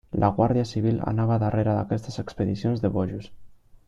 La guàrdia civil anava darrere d'aquestes expedicions de bojos.